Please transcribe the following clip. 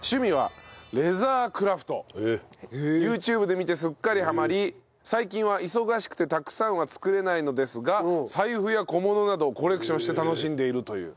ＹｏｕＴｕｂｅで見てすっかりハマり最近は忙しくてたくさんは作れないのですが財布や小物などをコレクションして楽しんでいるという。